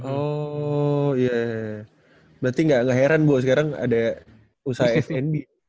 oh ya berarti nggak heran bu sekarang ada usaha fnb